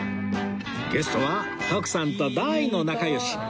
ゲストは徳さんと大の仲良し